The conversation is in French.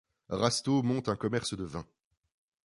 Rastaud monte un commerce de vins.